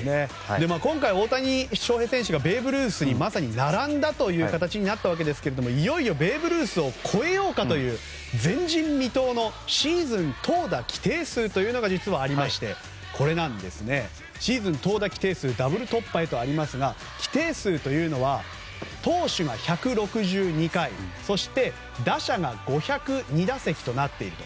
今回、大谷翔平選手がベーブ・ルースに並んだ形になりましたがいよいよベーブ・ルースを超えようかという前人未到のシーズン投打規定数というのが実はありましてシーズン投打規定数ダブル突破へとありますが規定数というのは投手が１６２回そして、打者が５０２打席となっていると。